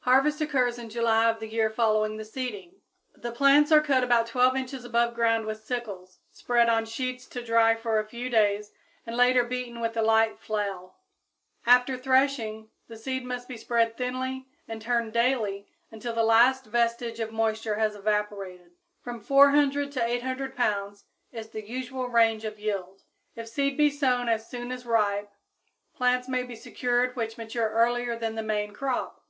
Harvest occurs in July of the year following the seeding. The plants are cut about 12 inches above ground with sickles, spread on sheets to dry for a few days, and later beaten with a light flail. After threshing, the seed must be spread thinly and turned daily until the last vestige of moisture has evaporated. From 400 to 800 pounds is the usual range of yield. If seed be sown as soon as ripe, plants may be secured which mature earlier than the main crop.